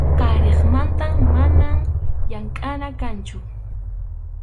qariqmantam mana llamkʼana kanchu.